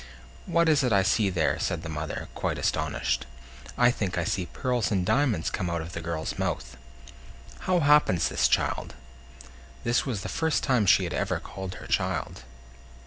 "What is it I see there?" said the mother, quite astonished. "I think I see pearls and diamonds come out of the girl's mouth! How happens this, child?" This was the first time she had ever called her child.